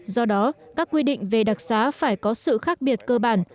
do đó các quy định về đặc xá phải có sự khác biệt cơ bản